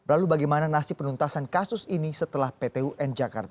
lalu bagaimana nasib penuntasan kasus ini setelah pt un jakarta